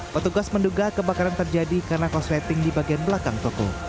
petugas menduga kebakaran terjadi karena kosleting di bagian belakang toko